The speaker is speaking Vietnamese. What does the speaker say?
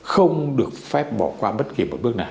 không được phép bỏ qua bất kỳ một bước nào